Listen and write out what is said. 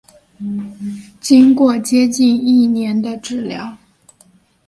经过接近一年的治疗